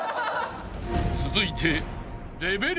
［続いて］